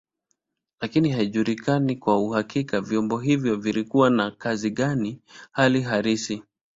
Lakini haijulikani kwa uhakika vyombo hivyo vilikuwa na kazi gani hali halisi.